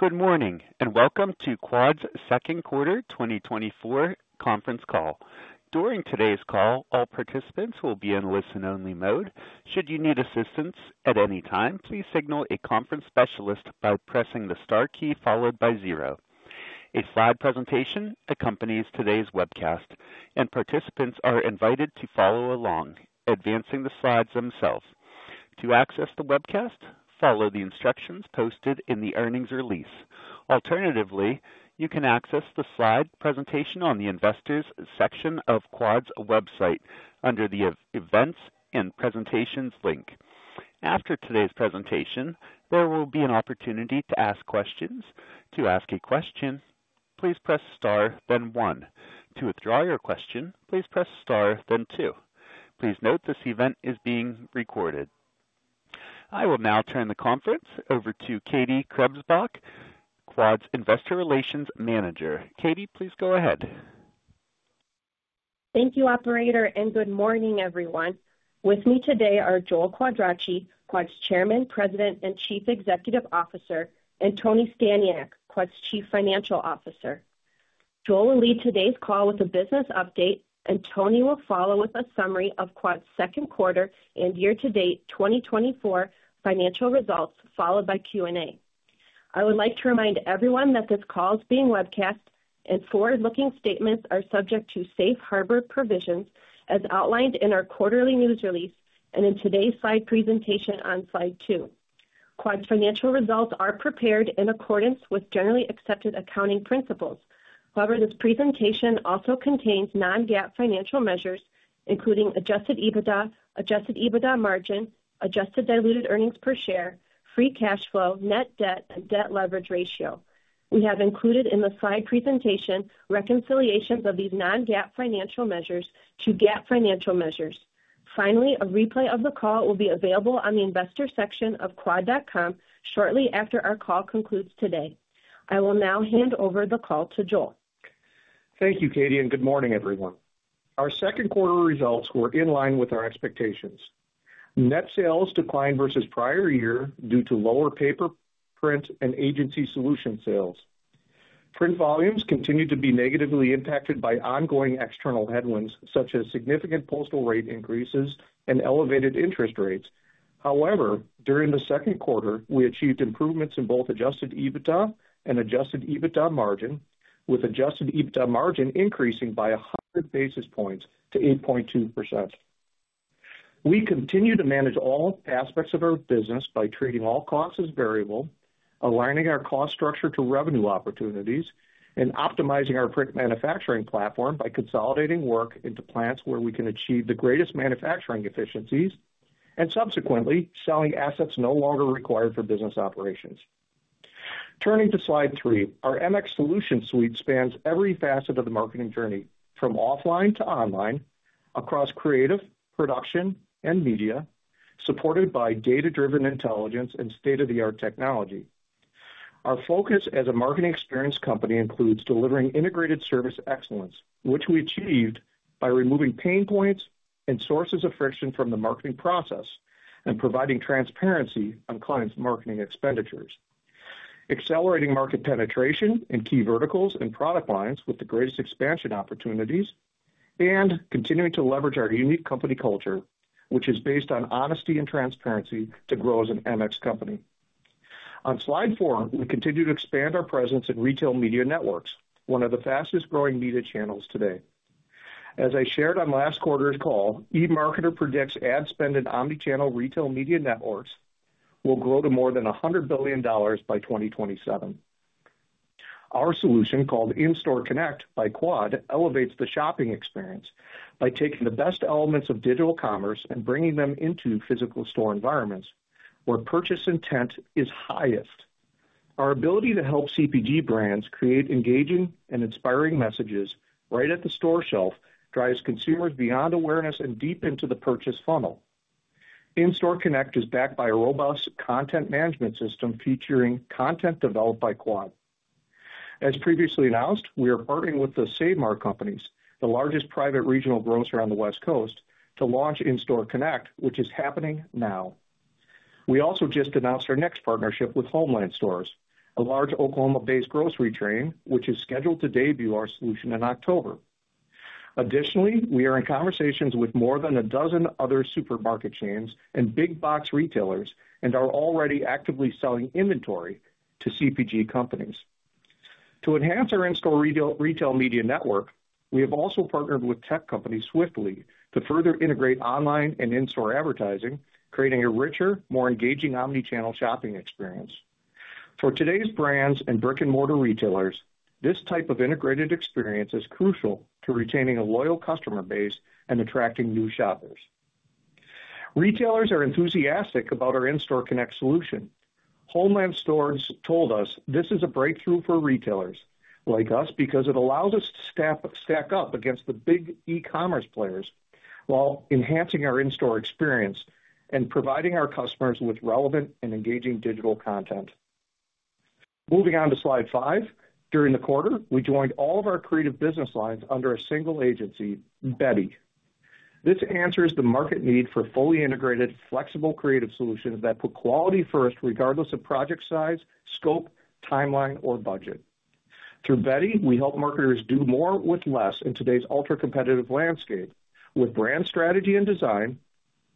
Good morning, and welcome to Quad's Second Quarter 2024 Conference Call. During today's call, all participants will be in listen-only mode. Should you need assistance at any time, please signal a conference specialist by pressing the star key followed by zero. A slide presentation accompanies today's webcast, and participants are invited to follow along, advancing the slides themselves. To access the webcast, follow the instructions posted in the earnings release. Alternatively, you can access the slide presentation on the Investors section of Quad's website under the Events and Presentations link. After today's presentation, there will be an opportunity to ask questions. To ask a question, please press star, then one. To withdraw your question, please press star, then two. Please note, this event is being recorded. I will now turn the conference over to Katie Krebsbach, Quad's Investor Relations Manager. Katie, please go ahead. Thank you, operator, and good morning, everyone. With me today are Joel Quadracci, Quad's Chairman, President, and Chief Executive Officer, and Tony Staniak, Quad's Chief Financial Officer. Joel will lead today's call with a business update, and Tony will follow with a summary of Quad's second quarter and year-to-date 2024 financial results, followed by Q&A. I would like to remind everyone that this call is being webcast and forward-looking statements are subject to Safe Harbor provisions, as outlined in our quarterly news release and in today's slide presentation on slide two. Quad's financial results are prepared in accordance with generally accepted accounting principles. However, this presentation also contains non-GAAP financial measures, including Adjusted EBITDA, Adjusted EBITDA Margin, Adjusted Diluted Earnings Per Share, Free Cash Flow, Net Debt, and Debt Leverage Ratio. We have included in the slide presentation reconciliations of these non-GAAP financial measures to GAAP financial measures. Finally, a replay of the call will be available on the Investor section of quad.com shortly after our call concludes today. I will now hand over the call to Joel. Thank you, Katie, and good morning, everyone. Our second quarter results were in line with our expectations. Net sales declined versus prior year due to lower paper, print, and agency solution sales. Print volumes continued to be negatively impacted by ongoing external headwinds, such as significant postal rate increases and elevated interest rates. However, during the second quarter, we achieved improvements in both Adjusted EBITDA and Adjusted EBITDA margin, with Adjusted EBITDA margin increasing by 100 basis points to 8.2%. We continue to manage all aspects of our business by treating all costs as variable, aligning our cost structure to revenue opportunities, and optimizing our print manufacturing platform by consolidating work into plants where we can achieve the greatest manufacturing efficiencies, and subsequently, selling assets no longer required for business operations. Turning to slide three, our MX solution suite spans every facet of the marketing journey, from offline to online, across creative, production, and media, supported by data-driven intelligence and state-of-the-art technology. Our focus as a marketing experience company includes delivering integrated service excellence, which we achieved by removing pain points and sources of friction from the marketing process and providing transparency on clients' marketing expenditures, accelerating market penetration in key verticals and product lines with the greatest expansion opportunities, and continuing to leverage our unique company culture, which is based on honesty and transparency, to grow as an MX company. On slide four, we continue to expand our presence in retail media networks, one of the fastest growing media channels today. As I shared on last quarter's call, eMarketer predicts ad spend in omnichannel retail media networks will grow to more than $100 billion by 2027. Our solution, called In-Store Connect by Quad, elevates the shopping experience by taking the best elements of digital commerce and bringing them into physical store environments where purchase intent is highest. Our ability to help CPG brands create engaging and inspiring messages right at the store shelf drives consumers beyond awareness and deep into the purchase funnel. In-Store Connect is backed by a robust content management system featuring content developed by Quad. As previously announced, we are partnering with The Save Mart Companies, the largest private regional grocer on the West Coast, to launch In-Store Connect, which is happening now. We also just announced our next partnership with Homeland Stores, a large Oklahoma-based grocery chain, which is scheduled to debut our solution in October. Additionally, we are in conversations with more than a dozen other supermarket chains and big box retailers and are already actively selling inventory to CPG companies. To enhance our in-store retail, retail media network, we have also partnered with tech company Swiftly to further integrate online and in-store advertising, creating a richer, more engaging omnichannel shopping experience. For today's brands and brick-and-mortar retailers, this type of integrated experience is crucial to retaining a loyal customer base and attracting new shoppers. Retailers are enthusiastic about our In-Store Connect solution. Homeland Stores told us, "This is a breakthrough for retailers like us because it allows us to stack up against the big e-commerce players while enhancing our in-store experience and providing our customers with relevant and engaging digital content." Moving on to slide five. During the quarter, we joined all of our creative business lines under a single agency, Betty.... This answers the market need for fully integrated, flexible, creative solutions that put quality first, regardless of project size, scope, timeline, or budget. Through Betty, we help marketers do more with less in today's ultra-competitive landscape, with brand strategy and design,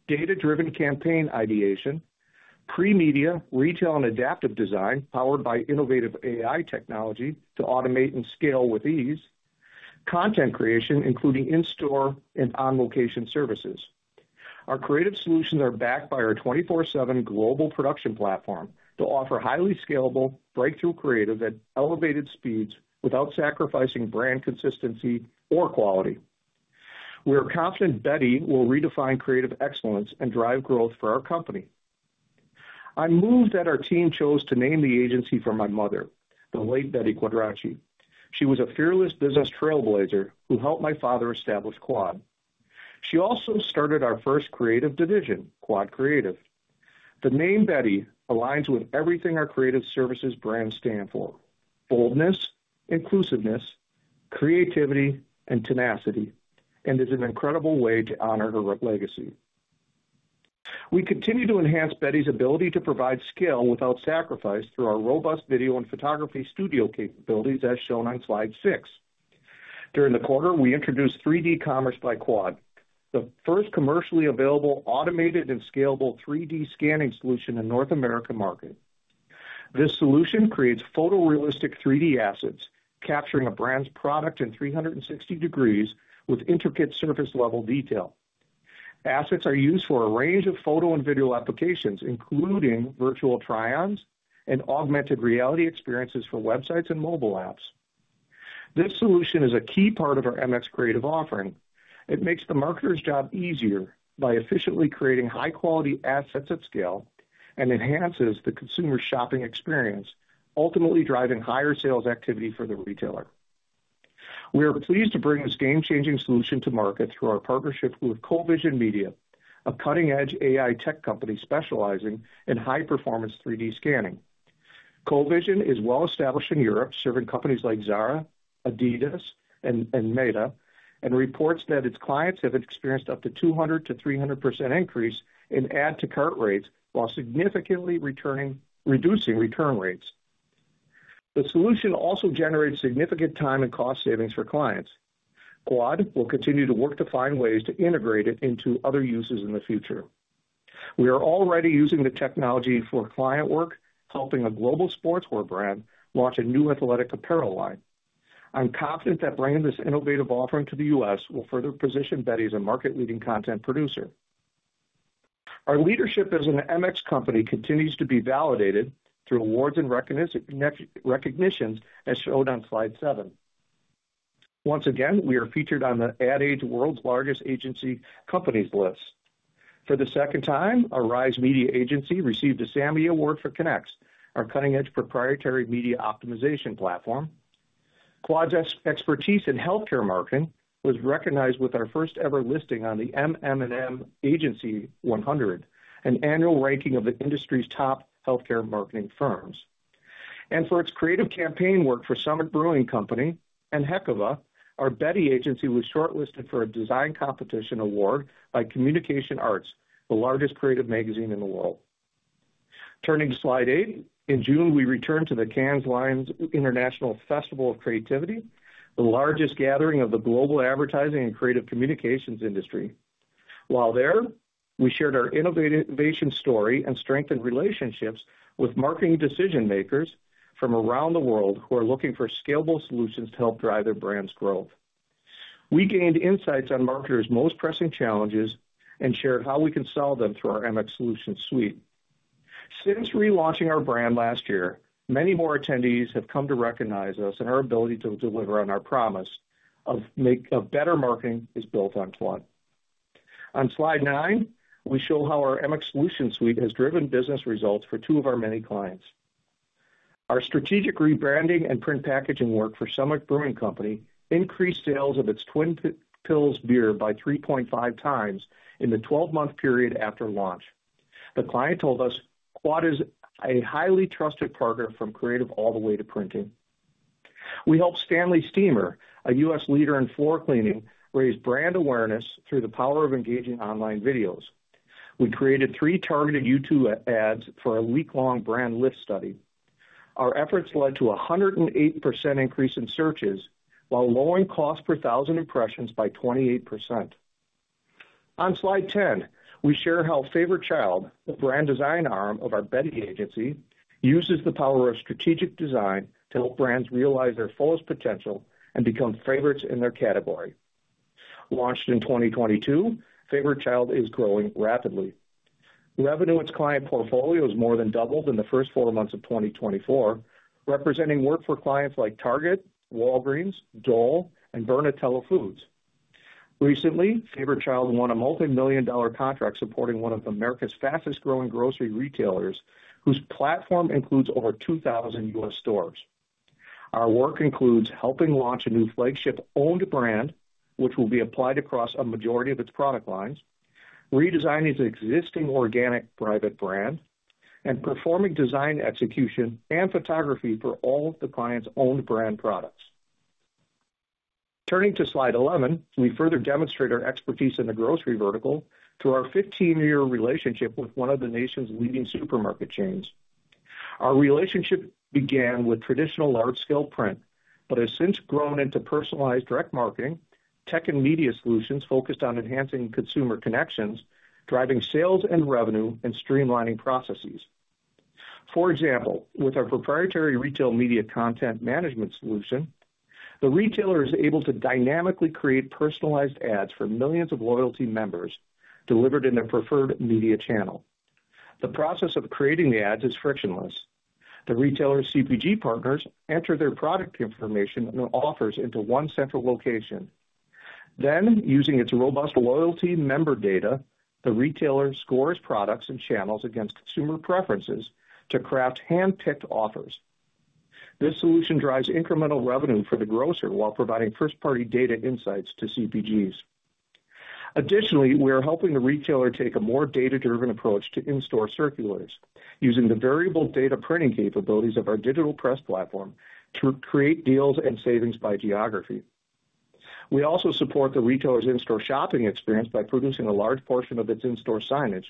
data-driven campaign ideation, pre-media, retail and adaptive design, powered by innovative AI technology to automate and scale with ease, content creation, including in-store and on-location services. Our creative solutions are backed by our 24/7 global production platform to offer highly scalable, breakthrough creative at elevated speeds without sacrificing brand consistency or quality. We are confident Betty will redefine creative excellence and drive growth for our company. I'm moved that our team chose to name the agency for my mother, the late Betty Quadracci. She was a fearless business trailblazer who helped my father establish Quad. She also started our first creative division, Quad Creative. The name Betty aligns with everything our creative services brand stand for: boldness, inclusiveness, creativity, and tenacity, and is an incredible way to honor her legacy. We continue to enhance Betty's ability to provide scale without sacrifice through our robust video and photography studio capabilities, as shown on slide six. During the quarter, we introduced 3D Commerce by Quad, the first commercially available, automated and scalable 3D scanning solution in North American market. This solution creates photorealistic 3D assets, capturing a brand's product in 360 degrees with intricate surface-level detail. Assets are used for a range of photo and video applications, including virtual try-ons and augmented reality experiences for websites and mobile apps. This solution is a key part of our MX creative offering. It makes the marketer's job easier by efficiently creating high-quality assets at scale and enhances the consumer shopping experience, ultimately driving higher sales activity for the retailer. We are pleased to bring this game-changing solution to market through our partnership with Covision Media, a cutting-edge AI tech company specializing in high-performance 3D scanning. Covision is well established in Europe, serving companies like Zara, Adidas, and Meta, and reports that its clients have experienced up to 200%-300% increase in add to cart rates, while significantly reducing return rates. The solution also generates significant time and cost savings for clients. Quad will continue to work to find ways to integrate it into other uses in the future. We are already using the technology for client work, helping a global sportswear brand launch a new athletic apparel line. I'm confident that bringing this innovative offering to the U.S. will further position Betty as a market-leading content producer. Our leadership as an MX company continues to be validated through awards and recognitions, as shown on slide seven. Once again, we are featured on the Ad Age World's Largest Agency Companies list. For the second time, our Rise media agency received a Sammy Award for Connex, our cutting-edge proprietary media optimization platform. Quad's expertise in healthcare marketing was recognized with our first ever listing on the MM&M Agency 100, an annual ranking of the industry's top healthcare marketing firms. For its creative campaign work for Summit Brewing Company and Heckova, our Betty agency was shortlisted for a design competition award by Communication Arts, the largest creative magazine in the world. Turning to slide eight. In June, we returned to the Cannes Lions International Festival of Creativity, the largest gathering of the global advertising and creative communications industry. While there, we shared our innovation story and strengthened relationships with marketing decision-makers from around the world who are looking for scalable solutions to help drive their brand's growth. We gained insights on marketers' most pressing challenges and shared how we can solve them through our MX solution suite. Since relaunching our brand last year, many more attendees have come to recognize us and our ability to deliver on our promise of better marketing is built on Quad. On slide nine, we show how our MX solution suite has driven business results for two of our many clients. Our strategic rebranding and print packaging work for Summit Brewing Company increased sales of its Twin Pils beer by 3.5 times in the 12 month period after launch. The client told us Quad is a highly trusted partner from creative all the way to printing. We helped Stanley Steemer, a U.S. leader in floor cleaning, raise brand awareness through the power of engaging online videos. We created three targeted YouTube ads for a week-long brand lift study. Our efforts led to a 108% increase in searches, while lowering cost per thousand impressions by 28%. On slide 10, we share how Favorite Child, the brand design arm of our Betty agency, uses the power of strategic design to help brands realize their fullest potential and become favorites in their category. Launched in 2022, Favorite Child is growing rapidly. Revenue in its client portfolio has more than doubled in the first four months of 2024, representing work for clients like Target, Walgreens, Dole, and Bernatello's Foods. Recently, Favorite Child won a multimillion-dollar contract supporting one of America's fastest growing grocery retailers, whose platform includes over 2,000 U.S. stores. Our work includes helping launch a new flagship-owned brand, which will be applied across a majority of its product lines... redesigning the existing organic private brand, and performing design execution and photography for all of the client's own brand products. Turning to Slide 11, we further demonstrate our expertise in the grocery vertical through our 15-year relationship with one of the nation's leading supermarket chains. Our relationship began with traditional large-scale print, but has since grown into personalized direct marketing, tech and media solutions focused on enhancing consumer connections, driving sales and revenue, and streamlining processes. For example, with our proprietary retail media content management solution, the retailer is able to dynamically create personalized ads for millions of loyalty members delivered in their preferred media channel. The process of creating the ads is frictionless. The retailer's CPG partners enter their product information and offers into one central location. Then, using its robust loyalty member data, the retailer scores products and channels against consumer preferences to craft handpicked offers. This solution drives incremental revenue for the grocer while providing first-party data insights to CPGs. Additionally, we are helping the retailer take a more data-driven approach to in-store circulators, using the variable data printing capabilities of our digital press platform to create deals and savings by geography. We also support the retailer's in-store shopping experience by producing a large portion of its in-store signage,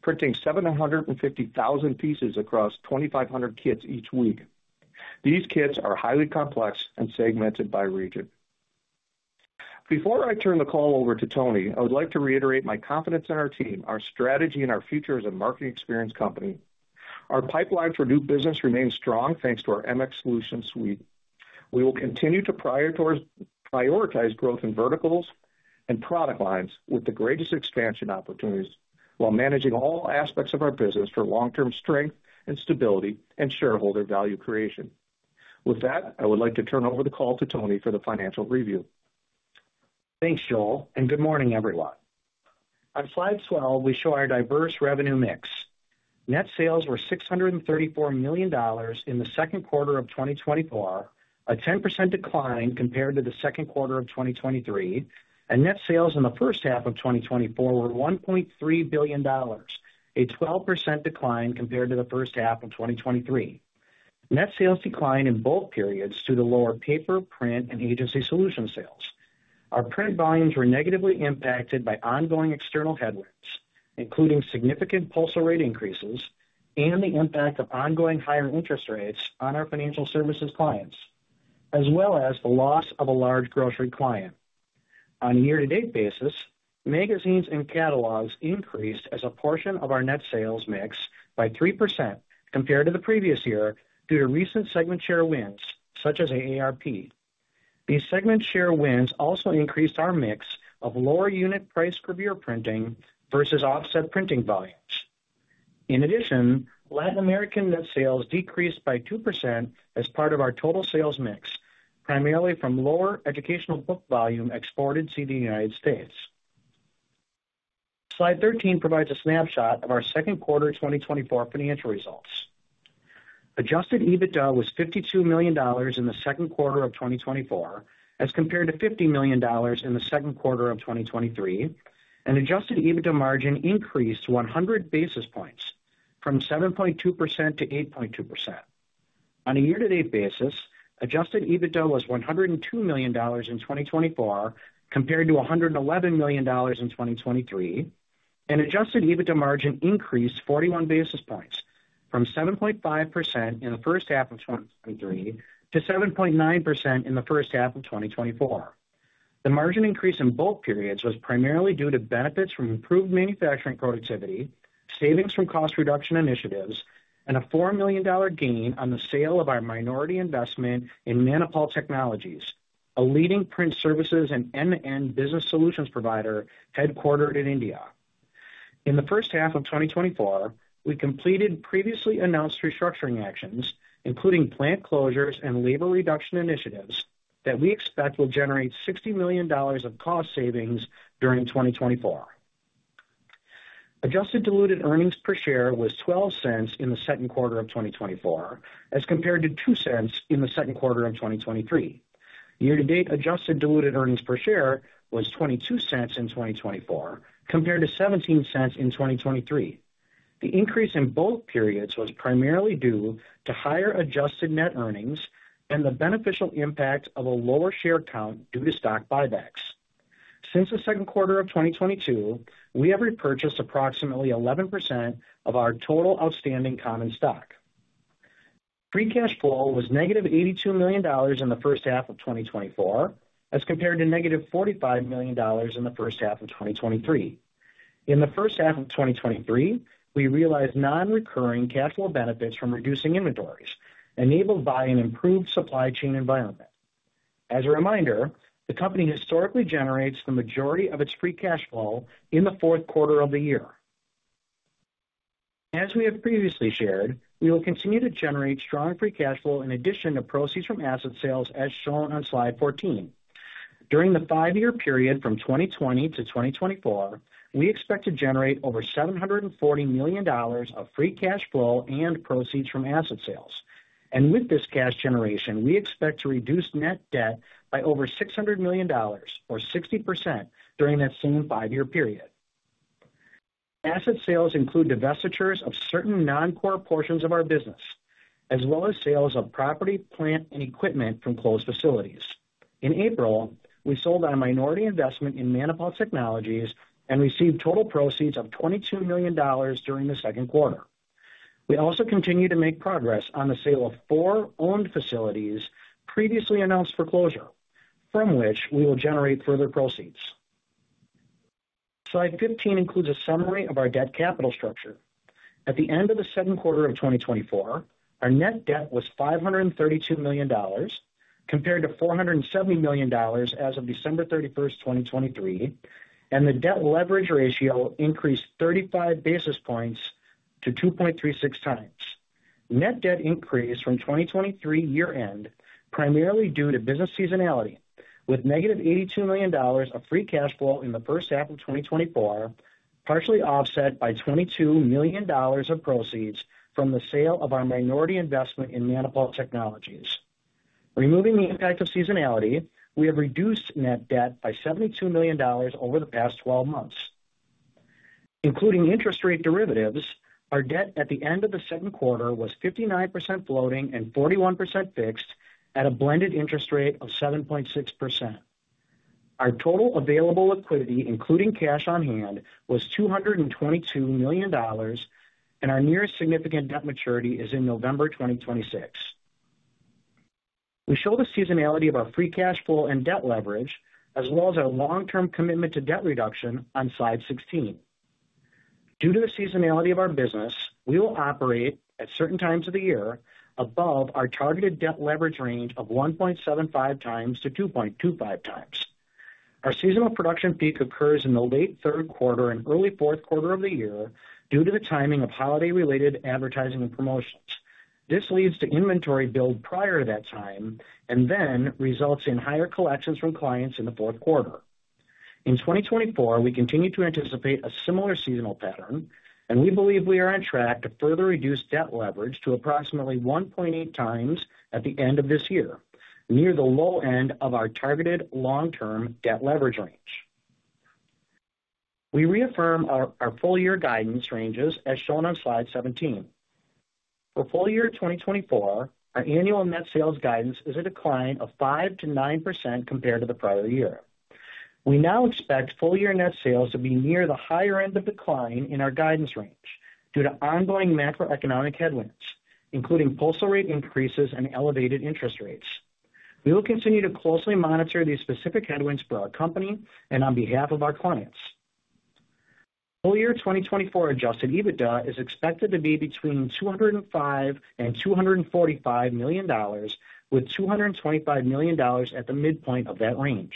printing 750,000 pieces across 2,500 kits each week. These kits are highly complex and segmented by region. Before I turn the call over to Tony, I would like to reiterate my confidence in our team, our strategy, and our future as a marketing experience company. Our pipeline for new business remains strong thanks to our MX solution suite. We will continue to prioritize growth in verticals and product lines with the greatest expansion opportunities, while managing all aspects of our business for long-term strength and stability and shareholder value creation. With that, I would like to turn over the call to Tony for the financial review. Thanks, Joel, and good morning, everyone. On Slide 12, we show our diverse revenue mix. Net sales were $634 million in the second quarter of 2024, a 10% decline compared to the second quarter of 2023, and net sales in the first half of 2024 were $1.3 billion, a 12% decline compared to the first half of 2023. Net sales declined in both periods due to lower paper, print, and agency solution sales. Our print volumes were negatively impacted by ongoing external headwinds, including significant postal rate increases and the impact of ongoing higher interest rates on our financial services clients, as well as the loss of a large grocery client. On a year-to-date basis, magazines and catalogs increased as a portion of our net sales mix by 3% compared to the previous year, due to recent segment share wins such as AARP. These segment share wins also increased our mix of lower unit price gravure printing versus offset printing volumes. In addition, Latin American net sales decreased by 2% as part of our total sales mix, primarily from lower educational book volume exported to the U.S. Slide 13 provides a snapshot of our second quarter 2024 financial results. Adjusted EBITDA was $52 million in the second quarter of 2024, as compared to $50 million in the second quarter of 2023, and Adjusted EBITDA margin increased 100 basis points from 7.2%-8.2%. On a year-to-date basis, Adjusted EBITDA was $102 million in 2024, compared to $111 million in 2023, and Adjusted EBITDA margin increased 41 basis points from 7.5% in the first half of 2023 to 7.9% in the first half of 2024. The margin increase in both periods was primarily due to benefits from improved manufacturing productivity, savings from cost reduction initiatives, and a $4 million gain on the sale of our minority investment in Manipal Technologies, a leading print services and end-to-end business solutions provider headquartered in India. In the first half of 2024, we completed previously announced restructuring actions, including plant closures and labor reduction initiatives that we expect will generate $60 million of cost savings during 2024. Adjusted Diluted Earnings Per Share was $0.12 in the second quarter of 2024, as compared to $0.02 in the second quarter of 2023. Year-to-date Adjusted Diluted Earnings Per Share was $0.22 in 2024, compared to $0.17 in 2023. The increase in both periods was primarily due to higher adjusted net earnings and the beneficial impact of a lower share count due to stock buybacks. Since the second quarter of 2022, we have repurchased approximately 11% of our total outstanding common stock. Free Cash Flow was -$82 million in the first half of 2024, as compared to -$45 million in the first half of 2023. In the first half of 2023, we realized non-recurring cash flow benefits from reducing inventories, enabled by an improved supply chain environment. As a reminder, the company historically generates the majority of its free cash flow in the fourth quarter of the year. As we have previously shared, we will continue to generate strong free cash flow in addition to proceeds from asset sales, as shown on Slide 14. During the five-year period from 2020-2024, we expect to generate over $740 million of free cash flow and proceeds from asset sales... With this cash generation, we expect to reduce net debt by over $600 million, or 60%, during that same five-year period. Asset sales include divestitures of certain non-core portions of our business, as well as sales of property, plant, and equipment from closed facilities. In April, we sold our minority investment in Manipal Technologies and received total proceeds of $22 million during the second quarter. We also continue to make progress on the sale of four owned facilities previously announced for closure, from which we will generate further proceeds. Slide 15 includes a summary of our debt capital structure. At the end of the second quarter of 2024, our net debt was $532 million, compared to $470 million as of December 31, 2023, and the debt leverage ratio increased 35 basis points to 2.36 times. Net debt increased from 2023 year-end, primarily due to business seasonality, with negative $82 million of free cash flow in the first half of 2024, partially offset by $22 million of proceeds from the sale of our minority investment in Manipal Technologies. Removing the impact of seasonality, we have reduced net debt by $72 million over the past 12 months. Including interest rate derivatives, our debt at the end of the second quarter was 59% floating and 41% fixed, at a blended interest rate of 7.6%. Our total available liquidity, including cash on hand, was $222 million, and our nearest significant debt maturity is in November 2026. We show the seasonality of our free cash flow and debt leverage, as well as our long-term commitment to debt reduction on Slide 16. Due to the seasonality of our business, we will operate at certain times of the year above our targeted debt leverage range of 1.75x-2.25x. Our seasonal production peak occurs in the late third quarter and early fourth quarter of the year due to the timing of holiday-related advertising and promotions. This leads to inventory build prior to that time and then results in higher collections from clients in the fourth quarter. In 2024, we continue to anticipate a similar seasonal pattern, and we believe we are on track to further reduce debt leverage to approximately 1.8 times at the end of this year, near the low end of our targeted long-term debt leverage range. We reaffirm our full-year guidance ranges as shown on Slide 17. For full year 2024, our annual net sales guidance is a decline of 5%-9% compared to the prior year. We now expect full-year net sales to be near the higher end of decline in our guidance range due to ongoing macroeconomic headwinds, including postal rate increases and elevated interest rates. We will continue to closely monitor these specific headwinds for our company and on behalf of our clients. Full year 2024 Adjusted EBITDA is expected to be between $205 million and $245 million, with $225 million at the midpoint of that range.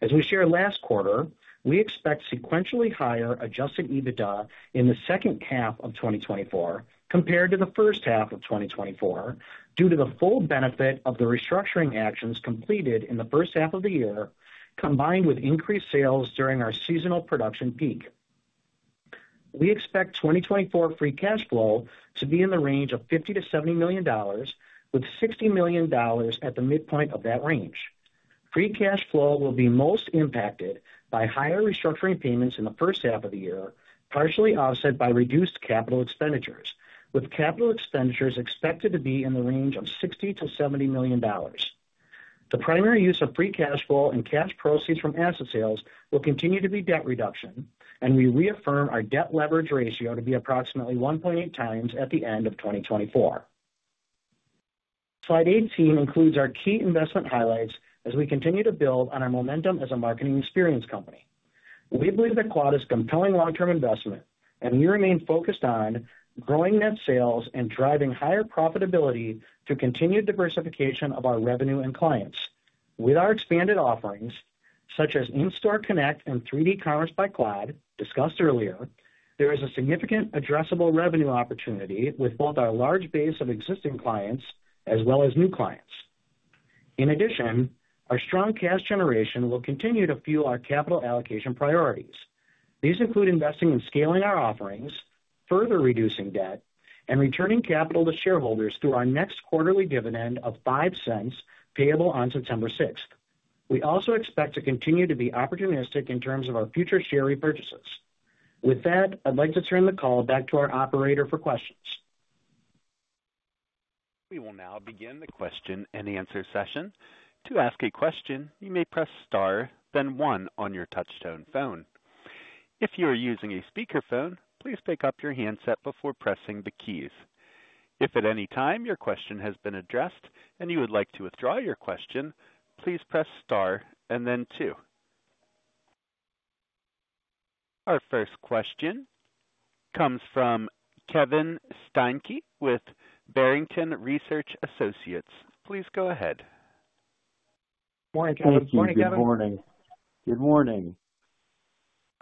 As we shared last quarter, we expect sequentially higher Adjusted EBITDA in the second half of 2024 compared to the first half of 2024, due to the full benefit of the restructuring actions completed in the first half of the year, combined with increased sales during our seasonal production peak. We expect 2024 Free Cash Flow to be in the range of $50 million-$70 million, with $60 million at the midpoint of that range. Free cash flow will be most impacted by higher restructuring payments in the first half of the year, partially offset by reduced capital expenditures, with capital expenditures expected to be in the range of $60 million-$70 million. The primary use of free cash flow and cash proceeds from asset sales will continue to be debt reduction, and we reaffirm our debt leverage ratio to be approximately 1.8 times at the end of 2024. Slide 18 includes our key investment highlights as we continue to build on our momentum as a marketing experience company. We believe that Quad is compelling long-term investment, and we remain focused on growing net sales and driving higher profitability through continued diversification of our revenue and clients. With our expanded offerings, such as In-Store Connect and 3D Commerce by Quad, discussed earlier, there is a significant addressable revenue opportunity with both our large base of existing clients as well as new clients. In addition, our strong cash generation will continue to fuel our capital allocation priorities. These include investing in scaling our offerings, further reducing debt, and returning capital to shareholders through our next quarterly dividend of $0.05, payable on September 6th. We also expect to continue to be opportunistic in terms of our future share repurchases. With that, I'd like to turn the call back to our operator for questions. We will now begin the question-and-answer session. To ask a question, you may press star, then one on your touchtone phone. If you are using a speakerphone, please pick up your handset before pressing the keys. If at any time your question has been addressed and you would like to withdraw your question, please press star and then two. Our first question comes from Kevin Steinke with Barrington Research Associates. Please go ahead. Morning, Kevin. Morning, Kevin. Good morning. Good morning.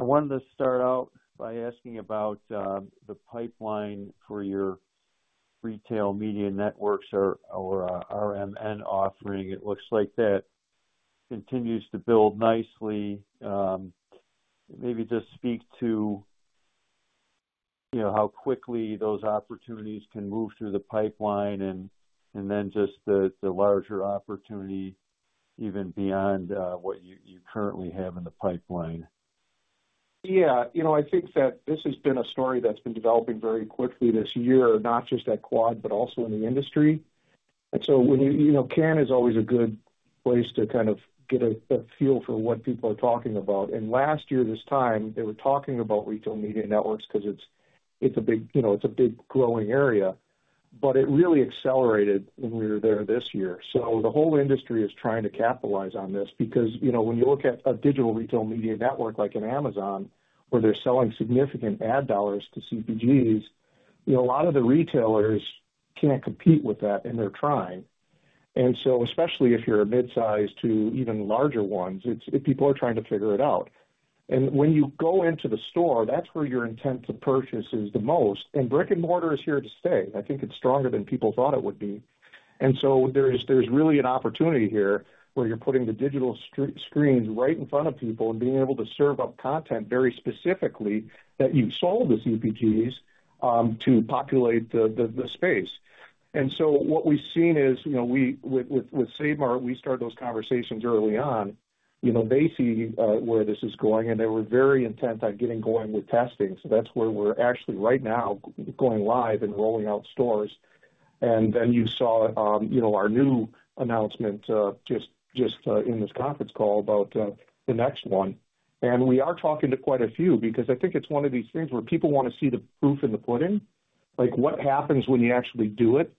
I wanted to start out by asking about the pipeline for your retail media networks or RMN offering. It looks like that continues to build nicely. Maybe just speak to you know, how quickly those opportunities can move through the pipeline, and then just the larger opportunity, even beyond what you currently have in the pipeline. Yeah. You know, I think that this has been a story that's been developing very quickly this year, not just at Quad, but also in the industry. And so when, you know, Cannes is always a good place to kind of get a, a feel for what people are talking about. And last year, this time, they were talking about retail media networks, because it's, it's a big, you know, it's a big growing area, but it really accelerated when we were there this year. So the whole industry is trying to capitalize on this because, you know, when you look at a digital retail media network like an Amazon, where they're selling significant ad dollars to CPGs, you know, a lot of the retailers can't compete with that, and they're trying. And so especially if you're a mid-size to even larger ones, it's people are trying to figure it out. And when you go into the store, that's where your intent to purchase is the most. And brick-and-mortar is here to stay. I think it's stronger than people thought it would be. And so there is, there's really an opportunity here where you're putting the digital screens right in front of people and being able to serve up content very specifically, that you've sold as CPGs to populate the space. And so what we've seen is, you know, we with Save Mart, we started those conversations early on. You know, they see where this is going, and they were very intent on getting going with testing. So that's where we're actually right now, going live and rolling out stores. Then you saw, you know, our new announcement in this conference call about the next one. We are talking to quite a few because I think it's one of these things where people wanna see the proof in the pudding. Like, what happens when you actually do it?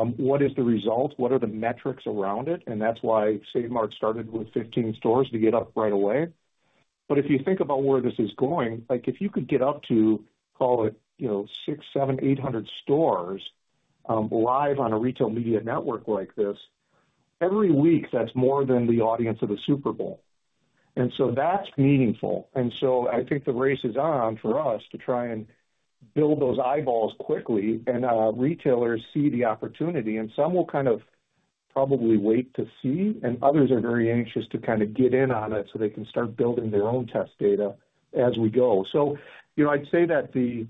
What is the result? What are the metrics around it? And that's why Save Mart started with 15 stores to get up right away. But if you think about where this is going, like, if you could get up to, call it, you know, 600, 700, 800 stores, live on a retail media network like this, every week, that's more than the audience of a Super Bowl. And so that's meaningful. And so I think the race is on for us to try and build those eyeballs quickly, and retailers see the opportunity, and some will kind of probably wait to see, and others are very anxious to kind of get in on it so they can start building their own test data as we go. So, you know, I'd say that the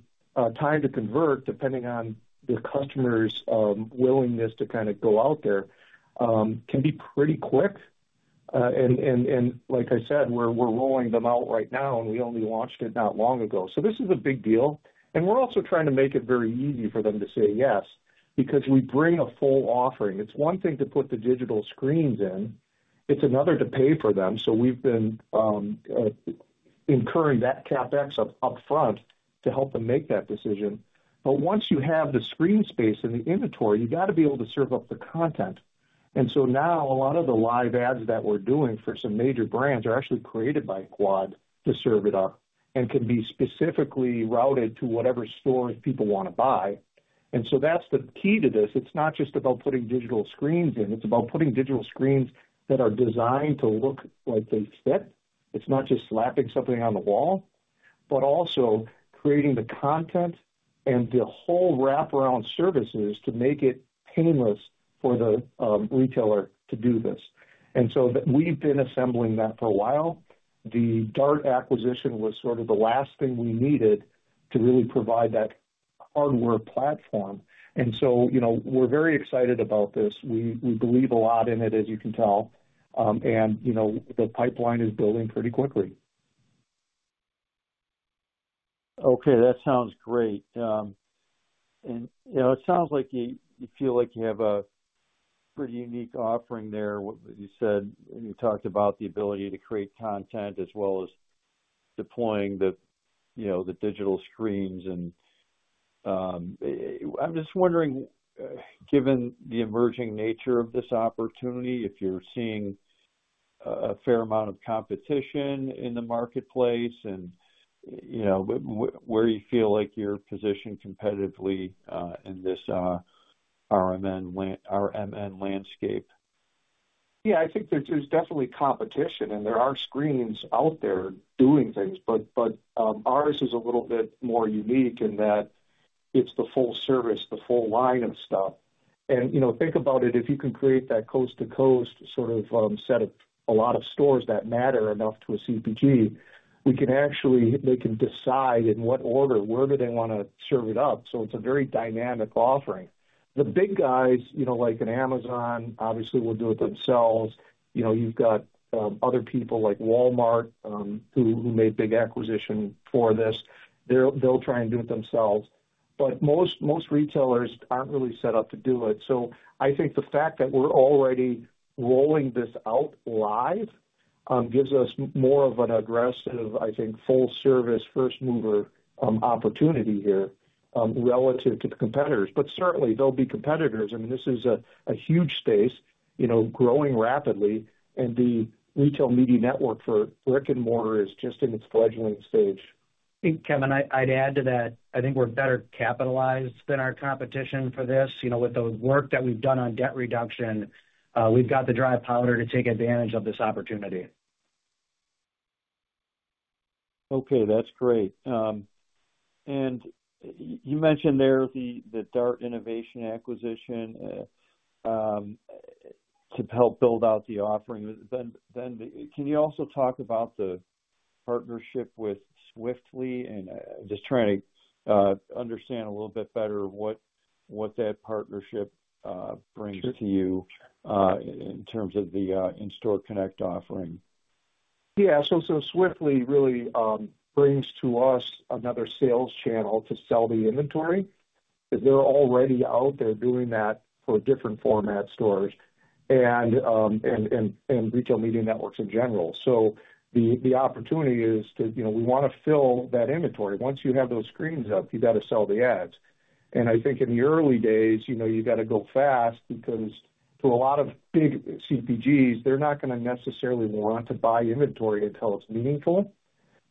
time to convert, depending on the customer's willingness to kinda go out there, can be pretty quick. And like I said, we're rolling them out right now, and we only launched it not long ago. So this is a big deal, and we're also trying to make it very easy for them to say yes, because we bring a full offering. It's one thing to put the digital screens in, it's another to pay for them. So we've been incurring that CapEx up front to help them make that decision. But once you have the screen space and the inventory, you've got to be able to serve up the content. And so now a lot of the live ads that we're doing for some major brands are actually created by Quad to serve it up and can be specifically routed to whatever stores people wanna buy. And so that's the key to this. It's not just about putting digital screens in, it's about putting digital screens that are designed to look like they fit. It's not just slapping something on the wall, but also creating the content and the whole wraparound services to make it painless for the retailer to do this. And so we've been assembling that for a while. The DART acquisition was sort of the last thing we needed to really provide that hardware platform. And so, you know, we're very excited about this. We believe a lot in it, as you can tell. And, you know, the pipeline is building pretty quickly. Okay, that sounds great. And, you know, it sounds like you feel like you have a pretty unique offering there. What you said when you talked about the ability to create content as well as deploying the, you know, the digital screens. And, I'm just wondering, given the emerging nature of this opportunity, if you're seeing a fair amount of competition in the marketplace and, you know, where do you feel like you're positioned competitively, in this RMN landscape? Yeah, I think there's definitely competition, and there are screens out there doing things, but ours is a little bit more unique in that it's the full service, the full line of stuff. And, you know, think about it, if you can create that coast-to-coast sort of set of a lot of stores that matter enough to a CPG, we can actually. They can decide in what order, where do they wanna serve it up. So it's a very dynamic offering. The big guys, you know, like Amazon, obviously, will do it themselves. You know, you've got other people like Walmart, who made big acquisition for this. They'll try and do it themselves. But most retailers aren't really set up to do it. So I think the fact that we're already rolling this out live, gives us more of an aggressive, I think, full-service, first-mover, opportunity here, relative to the competitors. But certainly, there'll be competitors, and this is a huge space, you know, growing rapidly, and the retail media network for brick-and-mortar is just in its fledgling stage. Kevin, I'd add to that. I think we're better capitalized than our competition for this. You know, with the work that we've done on debt reduction, we've got the dry powder to take advantage of this opportunity. Okay, that's great. You mentioned there the DART Innovation acquisition to help build out the offering. Then can you also talk about the partnership with Swiftly? And just trying to understand a little bit better what that partnership brings to you in terms of the In-Store Connect offering. Yeah. So Swiftly really brings to us another sales channel to sell the inventory, because they're already out there doing that for different format stores and retail media networks in general. So the opportunity is to, you know, we want to fill that inventory. Once you have those screens up, you got to sell the ads. And I think in the early days, you know, you got to go fast because to a lot of big CPGs, they're not going to necessarily want to buy inventory until it's meaningful.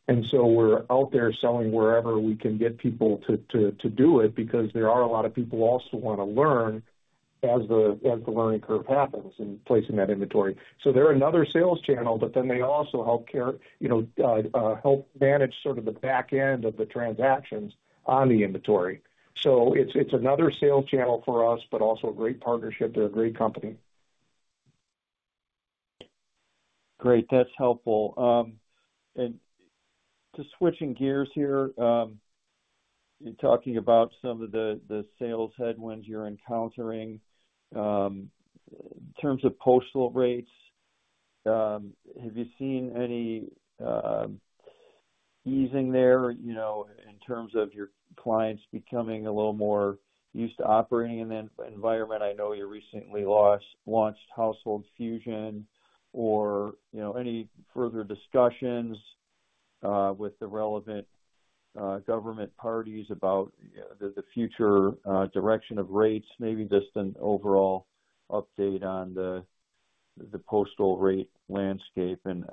And so we're out there selling wherever we can get people to do it, because there are a lot of people who also want to learn as the learning curve happens in placing that inventory. So they're another sales channel, but then they also help care, you know, help manage sort of the back end of the transactions on the inventory. So it's, it's another sales channel for us, but also a great partnership. They're a great company. Great, that's helpful. And just switching gears here, in talking about some of the sales headwinds you're encountering, in terms of postal rates, have you seen any easing there, you know, in terms of your clients becoming a little more used to operating in an environment? I know you recently launched Household Fusion or, you know, any further discussions with the relevant government parties about the future direction of rates? Maybe just an overall update on the postal rate landscape and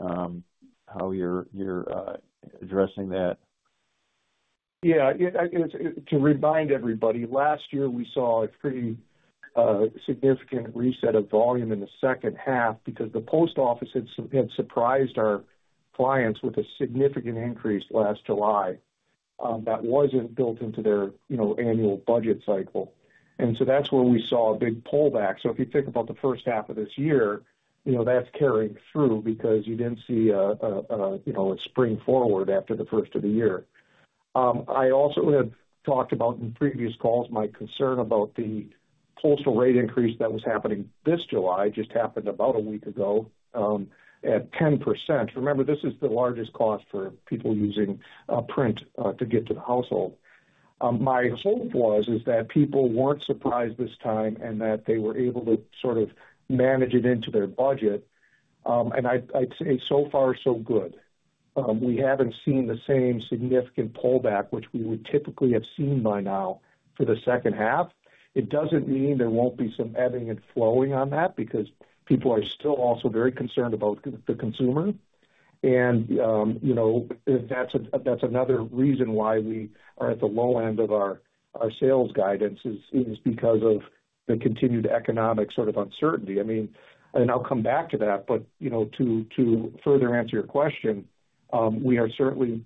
how you're addressing that. Yeah, to remind everybody, last year, we saw a pretty significant reset of volume in the second half because the post office had surprised our clients with a significant increase last July that wasn't built into their, you know, annual budget cycle. And so that's where we saw a big pullback. So if you think about the first half of this year, you know, that's carried through because you didn't see a you know, a spring forward after the first of the year. I also had talked about in previous calls, my concern about the postal rate increase that was happening this July, just happened about a week ago, at 10%. Remember, this is the largest cost for people using print to get to the household. My hope was, is that people weren't surprised this time and that they were able to sort of manage it into their budget. And I'd, I'd say so far, so good. We haven't seen the same significant pullback, which we would typically have seen by now for the second half. It doesn't mean there won't be some ebbing and flowing on that, because people are still also very concerned about the, the consumer. And, you know, that's, that's another reason why we are at the low end of our, our sales guidance, is, is because of the continued economic sort of uncertainty. I mean, and I'll come back to that, but, you know, to, to further answer your question, we are certainly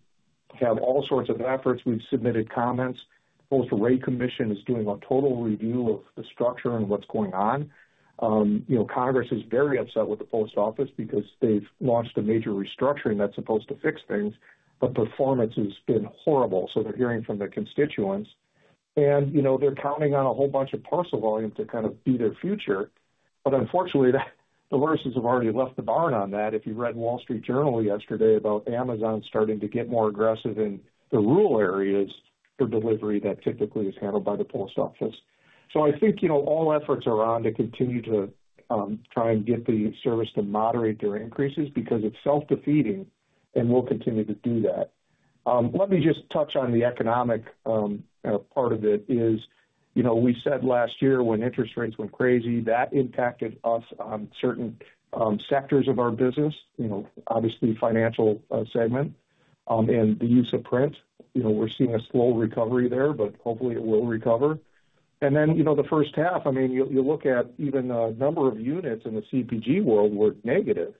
have all sorts of efforts. We've submitted comments. Postal Rate Commission is doing a total review of the structure and what's going on. You know, Congress is very upset with the post office because they've launched a major restructuring that's supposed to fix things, but performance has been horrible, so they're hearing from their constituents. You know, they're counting on a whole bunch of parcel volume to kind of be their future. But unfortunately, the horses have already left the barn on that. If you read Wall Street Journal yesterday about Amazon starting to get more aggressive in the rural areas for delivery, that typically is handled by the post office. So I think, you know, all efforts are on to continue to try and get the service to moderate their increases because it's self-defeating, and we'll continue to do that. Let me just touch on the economic part of it is, you know, we said last year when interest rates went crazy, that impacted us on certain sectors of our business, you know, obviously financial segment and the use of print. You know, we're seeing a slow recovery there, but hopefully it will recover. And then, you know, the first half, I mean, you look at even the number of units in the CPG world were negative.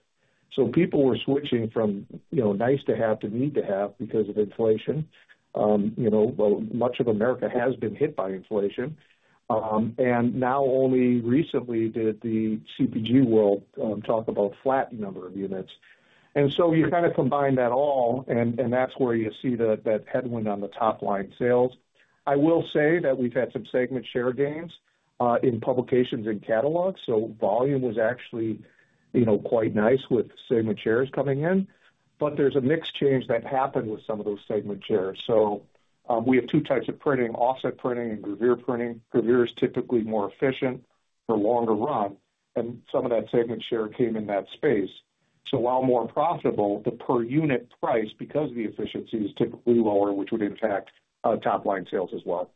So people were switching from, you know, nice to have, to need to have because of inflation. You know, well, much of America has been hit by inflation. And now, only recently did the CPG world talk about flat number of units. And so you kind of combine that all, and, and that's where you see that, that headwind on the top-line sales. I will say that we've had some segment share gains in publications and catalogs, so volume was actually, you know, quite nice with segment shares coming in. But there's a mix change that happened with some of those segment shares. So, we have two types of printing, offset printing and gravure printing. Gravure is typically more efficient for longer run, and some of that segment share came in that space. So while more profitable, the per unit price, because the efficiency is typically lower, which would impact top-line sales as well.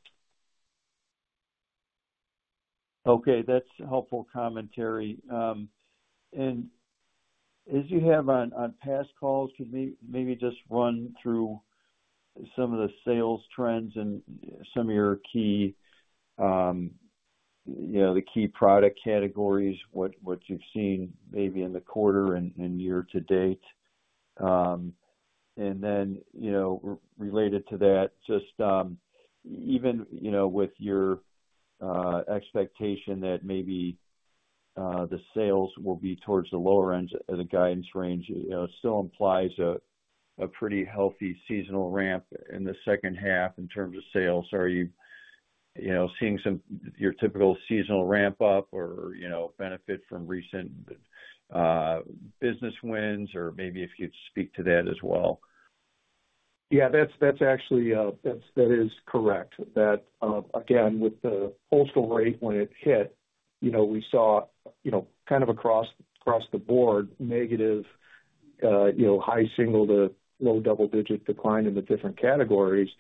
Okay, that's helpful commentary. And as you have on past calls, can you maybe just run through some of the sales trends and some of your key, you know, the key product categories, what you've seen maybe in the quarter and year-to-date? And then, you know, related to that, just, even, you know, with your expectation that maybe the sales will be towards the lower end of the guidance range, you know, still implies a pretty healthy seasonal ramp in the second half in terms of sales. Are you, you know, seeing some, your typical seasonal ramp-up or, you know, benefit from recent business wins? Or maybe if you'd speak to that as well. Yeah, that's actually that is correct. That again, with the postal rate when it hit, you know, we saw, you know, kind of across the board, negative, you know, high single-digit to low double-digit decline in the different categories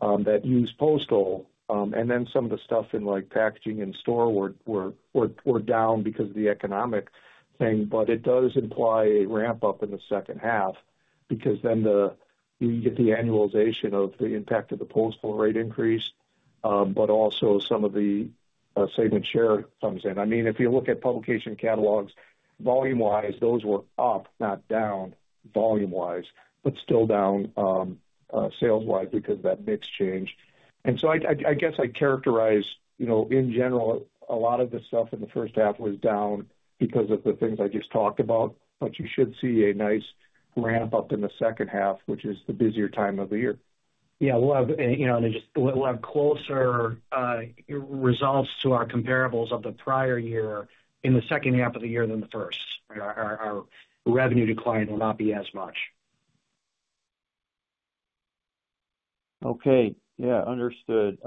that use postal. And then some of the stuff in, like, packaging and store were down because of the economic thing. But it does imply a ramp-up in the second half because then you get the annualization of the impact of the postal rate increase, but also some of the segment share comes in. I mean, if you look at publication catalogs, volume-wise, those were up, not down volume-wise, but still down sales-wise because that mix changed. I guess I'd characterize, you know, in general, a lot of the stuff in the first half was down because of the things I just talked about, but you should see a nice ramp up in the second half, which is the busier time of the year. Yeah, we'll have, you know, just we'll have closer results to our comparables of the prior year in the second half of the year than the first. Our revenue decline will not be as much. Okay. Yeah, understood.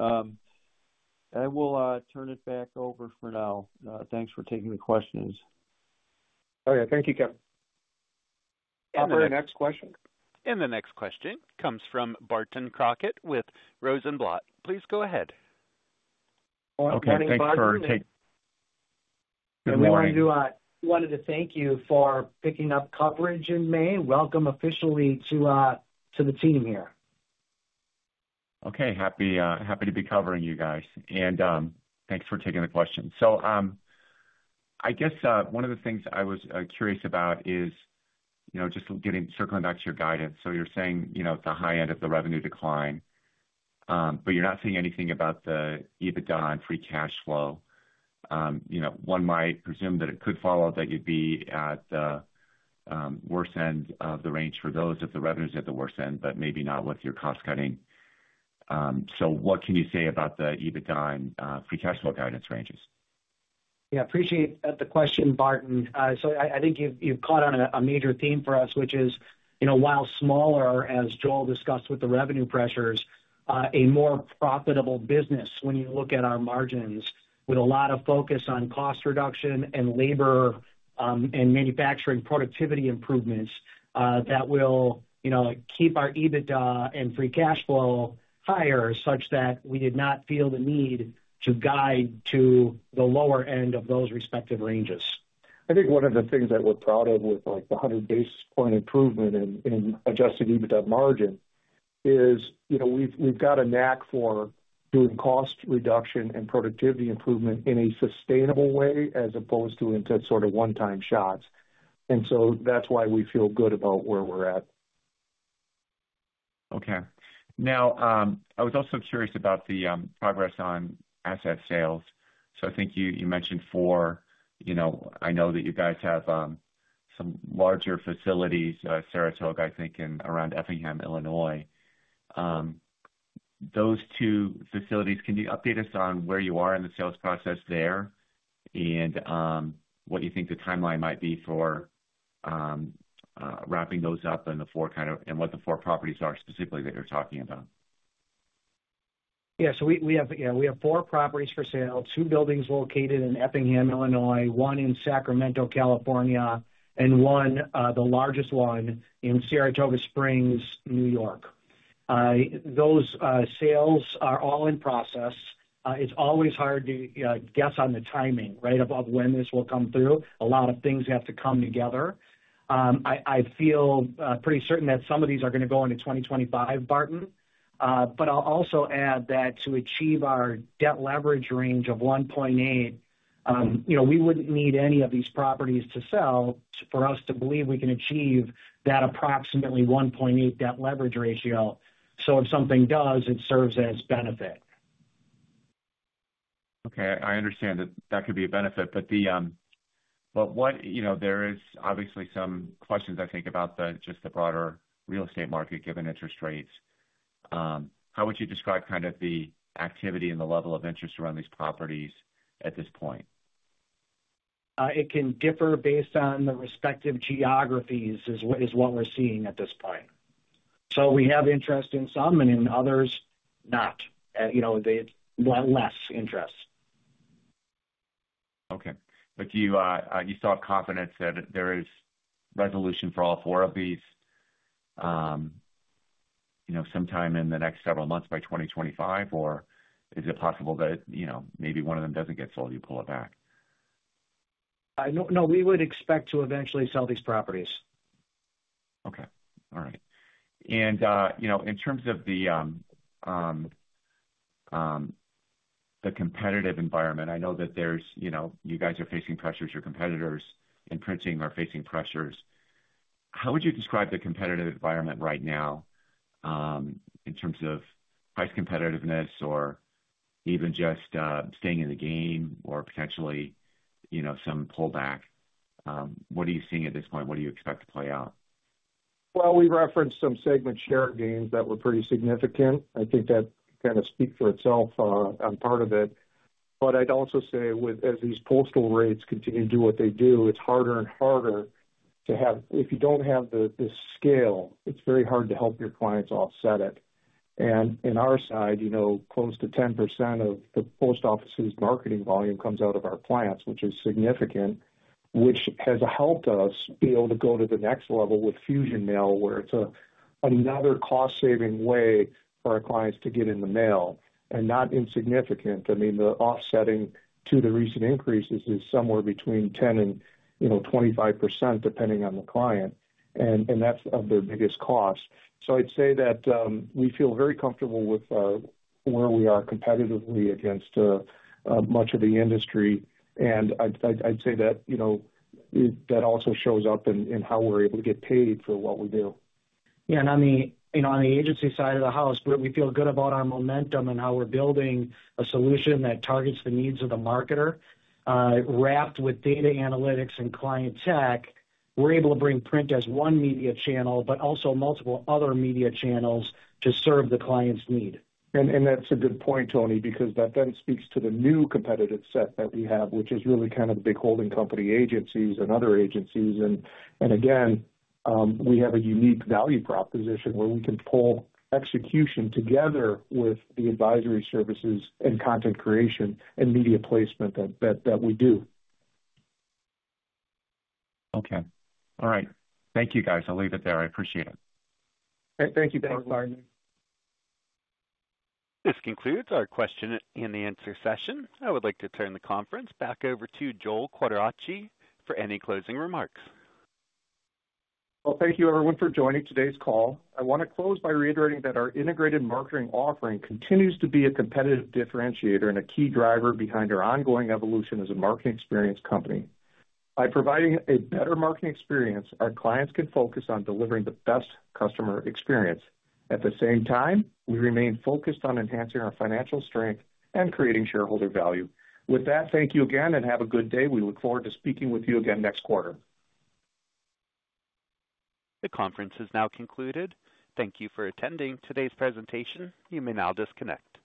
I will turn it back over for now. Thanks for taking the questions. Oh, yeah. Thank you, Kevin. Operator, next question. The next question comes from Barton Crockett with Rosenblatt. Please go ahead. Okay, thanks. Good morning. We wanted to, we wanted to thank you for picking up coverage in May. Welcome officially to, to the team here. Okay. Happy to be covering you guys. Thanks for taking the question. I guess, one of the things I was curious about is, you know, just getting circling back to your guidance. So you're saying, you know, at the high end of the revenue decline, but you're not saying anything about the EBITDA and Free Cash Flow. You know, one might presume that it could follow, that you'd be at the worst end of the range for those if the revenue is at the worst end, but maybe not with your cost cutting. So what can you say about the EBITDA and Free Cash Flow guidance ranges? Yeah, appreciate the question, Barton. So I think you've caught on a major theme for us, which is, you know, while smaller, as Joel discussed with the revenue pressures, a more profitable business when you look at our margins, with a lot of focus on cost reduction and labor, and manufacturing productivity improvements, that will, you know, keep our EBITDA and free cash flow higher, such that we did not feel the need to guide to the lower end of those respective ranges. I think one of the things that we're proud of with, like, the 100 basis points improvement in Adjusted EBITDA Margin is, you know, we've got a knack for doing cost reduction and productivity improvement in a sustainable way, as opposed to into sort of one-time shots. And so that's why we feel good about where we're at. Okay. Now, I was also curious about the progress on asset sales. So I think you mentioned four. You know, I know that you guys have some larger facilities, Saratoga, I think, in around Effingham, Illinois. Those two facilities, can you update us on where you are in the sales process there? And, what do you think the timeline might be for wrapping those up and the four kind of... and what the four properties are specifically that you're talking about? Yeah, so we have four properties for sale, two buildings located in Effingham, Illinois, one in Sacramento, California, and one, the largest one, in Saratoga Springs, New York. Those sales are all in process. It's always hard to guess on the timing, right, about when this will come through. A lot of things have to come together. I feel pretty certain that some of these are gonna go into 2025, Barton. But I'll also add that to achieve our debt leverage range of 1.8, you know, we wouldn't need any of these properties to sell for us to believe we can achieve that approximately 1.8 debt leverage ratio. So if something does, it serves as benefit. Okay, I understand that that could be a benefit, but, you know, there is obviously some questions, I think, about just the broader real estate market, given interest rates. How would you describe kind of the activity and the level of interest around these properties at this point? It can differ based on the respective geographies, is what we're seeing at this point. So we have interest in some and in others, not. You know, they have less interest. Okay, but do you still have confidence that there is resolution for all four of these, you know, sometime in the next several months by 2025? Or is it possible that, you know, maybe one of them doesn't get sold, you pull it back? No, no, we would expect to eventually sell these properties. Okay. All right. And, you know, in terms of the competitive environment. I know that there's, you know, you guys are facing pressures, your competitors in printing are facing pressures. How would you describe the competitive environment right now, in terms of price competitiveness or even just, staying in the game or potentially, you know, some pullback? What are you seeing at this point? What do you expect to play out? Well, we referenced some segment share gains that were pretty significant. I think that kind of speaks for itself on part of it. But I'd also say as these postal rates continue to do what they do, it's harder and harder to have... If you don't have the, the scale, it's very hard to help your clients offset it. And on our side, you know, close to 10% of the post office's marketing volume comes out of our clients, which is significant, which has helped us be able to go to the next level with Fusion mail, where it's another cost-saving way for our clients to get in the mail, and not insignificant. I mean, the offsetting to the recent increases is somewhere between 10% and 25%, depending on the client, and that's of their biggest costs. So I'd say that we feel very comfortable with where we are competitively against much of the industry, and I'd say that, you know, that also shows up in how we're able to get paid for what we do. Yeah, and on the, you know, on the agency side of the house, Betty, we feel good about our momentum and how we're building a solution that targets the needs of the marketer. Wrapped with data analytics and client tech, we're able to bring print as one media channel, but also multiple other media channels to serve the client's need. And that's a good point, Tony, because that then speaks to the new competitive set that we have, which is really kind of the big holding company agencies and other agencies. And again, we have a unique value proposition where we can pull execution together with the advisory services and content creation and media placement that we do. Okay. All right. Thank you, guys. I'll leave it there. I appreciate it. Thank you. Thanks, Barton. This concludes our question-and-answer session. I would like to turn the conference back over to Joel Quadracci for any closing remarks. Well, thank you everyone for joining today's call. I want to close by reiterating that our integrated marketing offering continues to be a competitive differentiator and a key driver behind our ongoing evolution as a marketing experience company. By providing a better marketing experience, our clients can focus on delivering the best customer experience. At the same time, we remain focused on enhancing our financial strength and creating shareholder value. With that, thank you again, and have a good day. We look forward to speaking with you again next quarter. The conference is now concluded. Thank you for attending today's presentation. You may now disconnect.